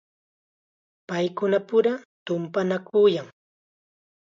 Paykunapura tumpanakuyan.